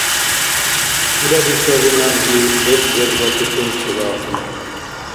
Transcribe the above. Тилади саби, набзи бер-бержла тукен чебаахъни.